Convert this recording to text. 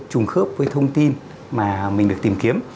trùng khớp với thông tin mà mình được tìm kiếm